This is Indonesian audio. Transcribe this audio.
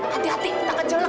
hati hati enggak kecelak